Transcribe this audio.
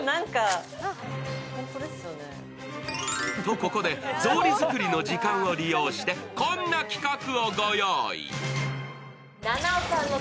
ここで、ぞうり作りの時間を利用して、こんな企画をご用意。